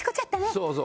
そうそう。